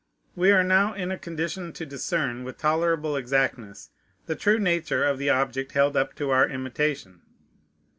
We are now in a condition to discern with tolerable exactness the true nature of the object held up to our imitation.